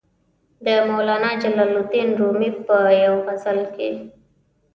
د مولانا جلال الدین رومي په یوې غزل کې.